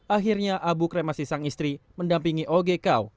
akhirnya abu kremasi sang istri mendampingi oge kau